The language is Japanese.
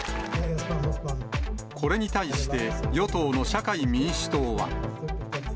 これに対して、与党の社会民主党は。